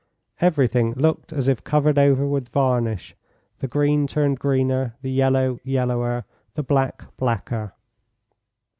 Everything looked as if covered over with varnish the green turned greener, the yellow yellower, the black blacker.